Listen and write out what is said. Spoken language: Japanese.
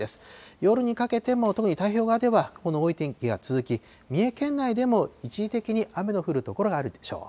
夜にかけても特に太平洋側では雲の多い天気が続き、三重県内でも一時的に雨の降る所があるでしょう。